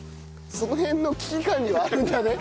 その辺の危機管理はあるんだね。